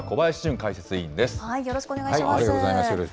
よろしくお願いします。